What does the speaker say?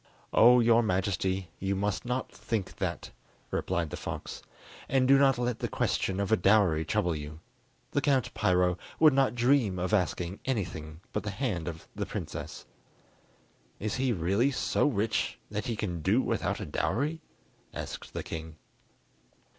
"Oh, your Majesty, you must not think that," replied the fox; "and do not let the question of a dowry trouble you. The Count Piro would not dream of asking anything but the hand of the princess." "Is he really so rich that he can do without a dowry?" asked the king.